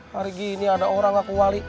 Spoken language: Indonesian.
hari gini ada orang aku wali